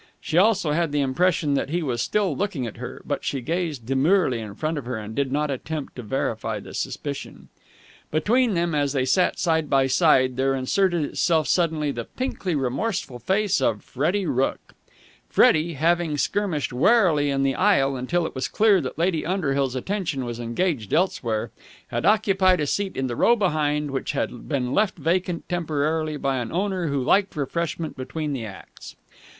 She also had the impression that he was still looking at her, but she gazed demurely in front of her and did not attempt to verify the suspicion. Between them, as they sat side by side, there inserted itself suddenly the pinkly remorseful face of Freddie Rooke. Freddie, having skirmished warily in the aisle until it was clear that Lady Underhill's attention was engaged elsewhere, had occupied a seat in the row behind which had been left vacant temporarily by an owner who liked refreshment between the acts.